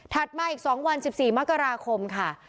มาอีก๒วัน๑๔มกราคมค่ะ